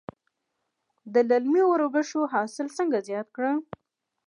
د للمي وربشو حاصل څنګه زیات کړم؟